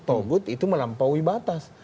togut itu melampaui batas